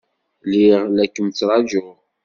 Lliɣ la kem-ttṛajuɣ.